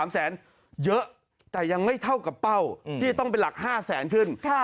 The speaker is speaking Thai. ๓แสนเยอะแต่ยังไม่เท่ากับเป้าที่ต้องเป็นหลัก๕แสนขึ้น